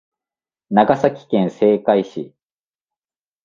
長崎県西海市